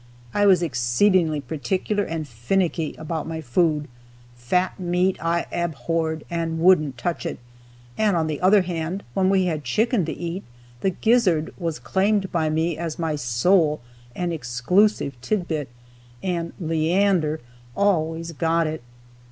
I was exceedingly particular and "finicky" about my food. Fat meat I abhorred, and wouldn't touch it, and on the other hand, when we had chicken to eat, the gizzard was claimed by me as my sole and exclusive tid bit, and "Leander" always got it.